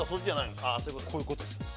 こういうことですね。